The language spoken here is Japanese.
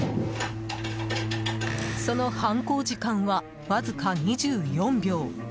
その犯行時間はわずか２４秒。